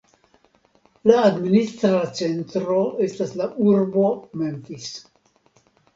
La administra centro estas la urbo Memphis.